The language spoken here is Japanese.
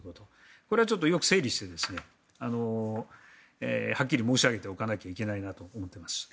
これはよく整理してはっきり申し上げておかないといけないなと思っています。